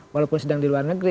walaupun sedang di luar negeri